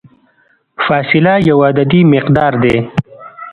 فاصله یو عددي مقدار دی.